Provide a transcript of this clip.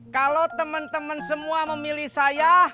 kalau teman teman semua memilih saya